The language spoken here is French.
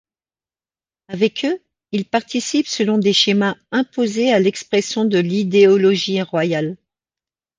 Avec eux, ils participent selon des schémas imposés à l’expression de l’idéologie royale.